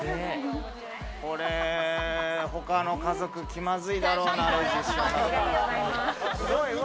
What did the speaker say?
他の家族、気まずいだろうな。